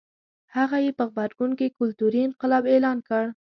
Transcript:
هغه یې په غبرګون کې کلتوري انقلاب اعلان کړ.